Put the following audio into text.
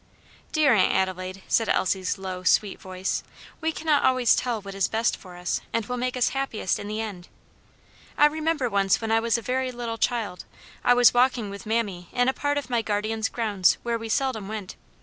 "Dear Aunt Adelaide," said Elsie's low, sweet voice, "we cannot always tell what is best for us, and will make us happiest in the end. "I remember once when I was a very little child, I was walking with mammy in a part of my guardian's grounds where we seldom went.